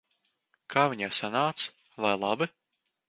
Kā viņai sanāca? Vai labi?